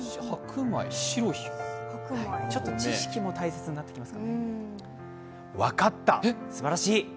ちょっと知識も大切になってきます。